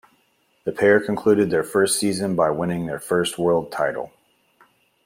The pair concluded their season by winning their first World title.